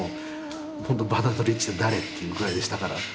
バーナード・リーチって誰？っていうぐらいでしたから。